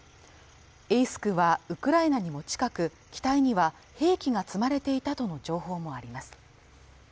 エイスクはウクライナにも近く機体には兵器が積まれていたとの情報もあります